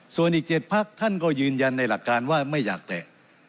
ส่วนอีก๗พักท่านก็ยืนยันในหลักการว่าไม่อยากแตะ